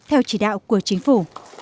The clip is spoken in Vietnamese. theo chỉ đạo của chính phủ